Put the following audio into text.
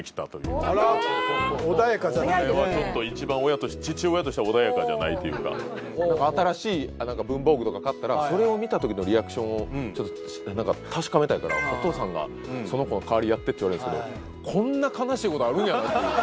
これはちょっと一番親として父親としては穏やかじゃないというかなんか新しい文房具とか買ったらそれを見たときのリアクションをちょっとなんか確かめたいからお父さんがその子の代わりやってって言われるんですけどこんな悲しいことあるんやなという！